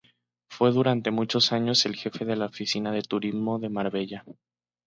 Fue durante muchos años el Jefe de la oficina de turismo de Marbella.